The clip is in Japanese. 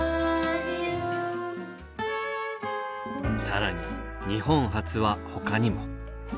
更に日本初はほかにも。